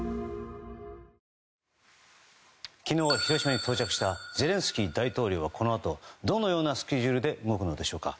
昨日、広島に到着したゼレンスキー大統領はこのあと、どのようなスケジュールで動くのでしょうか。